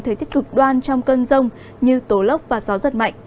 thời tiết cực đoan trong cơn rông như tố lốc và gió giật mạnh